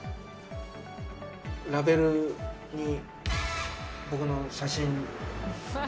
ラベルに僕の写真。